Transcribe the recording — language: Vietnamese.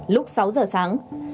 lúc sáu giờ sáng